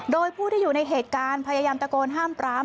โดยผู้ที่อยู่ในเหตุการณ์พยายามตะโกนห้ามปราม